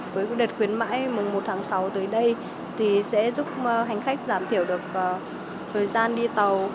với đợt khuyến mãi mùng một tháng sáu tới đây thì sẽ giúp hành khách giảm thiểu được thời gian đi tàu